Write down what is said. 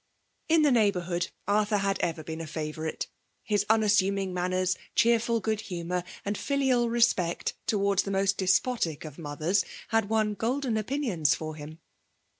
In the neighbourhood, Arthur had ever been a favourite. His unassuming manners, cheerful good humour, and filial respect towards' the most despotic of mothers, had won golden opinions for him.